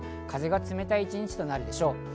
風が冷たい一日となるでしょう。